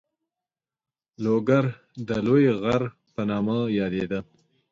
لوګر د لوی غر په نامه یادېده.